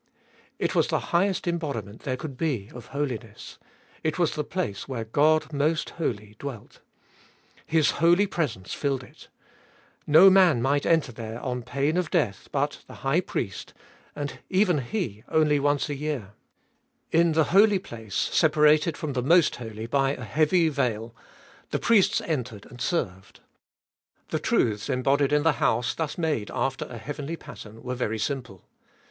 It was the highest em bodiment there could be of holiness ; it was the place where God Most Holy dwelt. His holy presence filled it. No man might enter there on pain of death but the high priest, and tTbe Tboliest of BU 235 even he only once a year. In the Holy Place, separated from the Most Holy by a heavy veil, the priests entered and served. The truths embodied in the house thus made after a heavenly pattern were very simple.